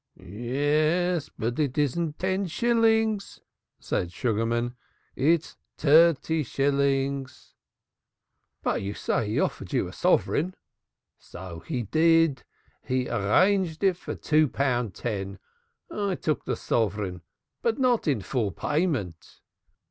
"Yes, but it isn't ten shillings," said Sugarman. "It's dirty shillings." "But you say he offered you a sovereign." "So he did. He arranged for two pun ten. I took the suvran but not in full payment."